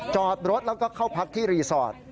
จอดรถแล้วก็เข้าพักที่รีสอร์ท